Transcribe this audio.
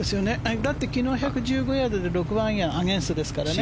だって昨日１１５ヤードで６番アイアンアゲンストですからね。